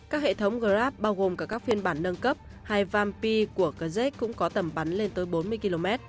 các hệ thống grab bao gồm cả các phiên bản nâng cấp hay vampi của gze cũng có tầm bắn lên tới bốn mươi km